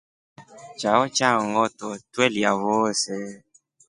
Chao cha ngʼoto twelya vozee.